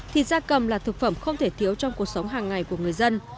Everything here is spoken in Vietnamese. thịt da cầm là thực phẩm không thể thiếu trong cuộc sống hàng ngày của người dân